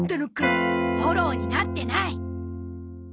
フォローになってない。